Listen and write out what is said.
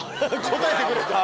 答えてくれた。